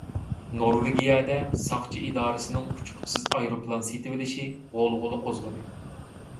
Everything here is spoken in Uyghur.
نورۋېگىيەدە ساقچى ئىدارىسىنىڭ ئۇچقۇچىسىز ئايروپىلان سېتىۋېلىشى غۇلغۇلا قوزغىدى.